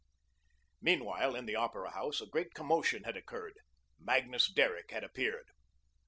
Meanwhile, in the Opera House, a great commotion had occurred. Magnus Derrick had appeared.